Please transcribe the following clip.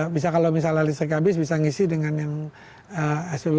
bisa kalau misalnya listrik habis bisa ngisi dengan yang swt